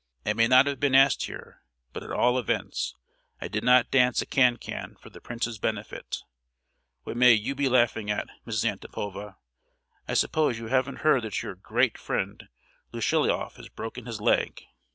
I may not have been asked here, but at all events I did not dance a can can for the prince's benefit. What may you be laughing at, Mrs. Antipova? I suppose you haven't heard that your great friend Lushiloff has broken his leg?